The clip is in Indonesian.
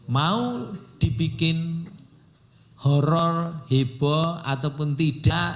mau dibikin horror heboh ataupun tidak